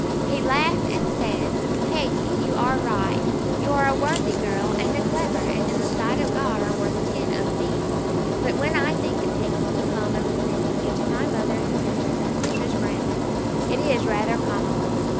He laughed, and said, 'Peggy, you are right; you are a worthy girl and a clever, and in the sight of God are worth ten of me; but when I think of taking you home and presenting you to my mother and sisters as Mrs. Brandon, it is rather comical.